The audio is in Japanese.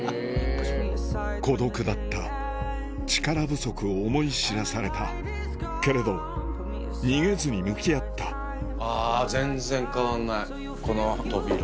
孤独だった力不足を思い知らされたけれど逃げずに向き合ったあ全然変わんないこの扉。